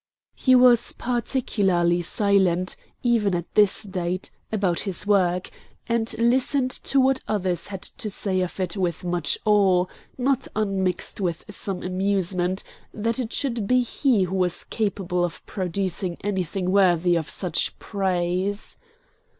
He was particularly silent, even at this date, about his work, and listened to what others had to say of it with much awe, not unmixed with some amusement, that it should be he who was capable of producing anything worthy of such praise.